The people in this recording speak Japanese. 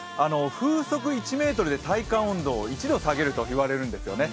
風速１メートルで体感温度を１度下げると言われてるんですよね